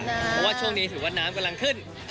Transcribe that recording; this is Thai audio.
เพราะว่าช่วงนี้ถือว่าน้ำกำลังขึ้น